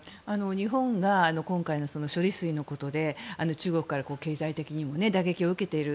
日本が今回の処理水のことで中国から経済的に打撃を受けている。